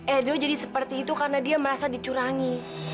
edo jadi seperti itu karena dia merasa dicurangi